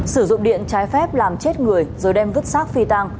sử dụng điện trái phép làm chết người rồi đem vứt xác phi tàng